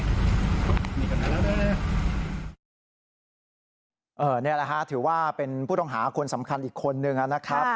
นี่แหละฮะถือว่าเป็นผู้ต้องหาคนสำคัญอีกคนนึงนะครับ